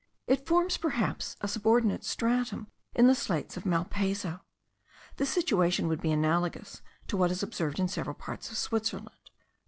It forms perhaps a subordinate stratum in the slates of Malpaso. This situation would be analogous to what is observed in several parts of Switzerland.